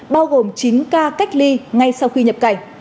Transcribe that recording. bao gồm chín ca cách ly ngay sau khi nhập cảnh